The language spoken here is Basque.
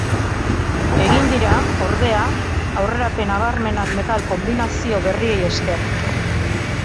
Egin dira, ordea, aurrerapen nabarmenak metal konbinazio berriei esker.